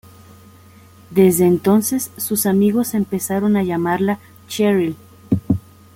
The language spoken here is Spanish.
Desde entonces, sus amigos empezaron a llamarla "Cheryl".